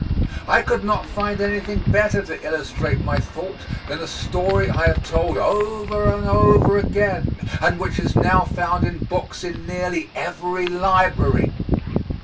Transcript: I could not find anything better to illustrate my thought than a story I have told over and over again, and which is now found in books in nearly every library.